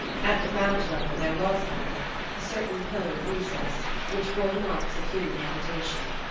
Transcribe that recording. At the ground level there was, however, a certain pillared recess, which bore the marks of human habitation.